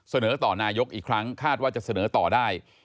เสนอต่อนายกอีกครั้งคาดว่าจะเสนอต่อได้